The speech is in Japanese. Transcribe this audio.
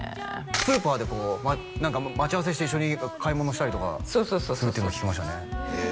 スーパーで何か待ち合わせして一緒に買い物したりとかそうそうそうそうするっていうの聞きましたねへえ